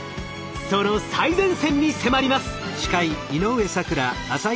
その最前線に迫ります。